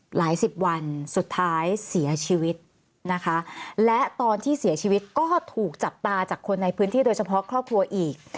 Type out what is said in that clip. หลายสิบวันสุดท้ายเสียชีวิตนะคะและตอนที่เสียชีวิตก็ถูกจับตาจากคนในพื้นที่โดยเฉพาะครอบครัวอีก